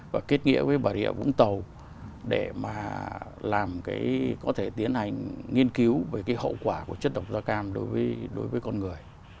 và kết nghĩa với bà rịa vũng tàu để mà làm cái có thể tiến hành nghiên cứu về cái hậu quả của chất độc da cam đối với con người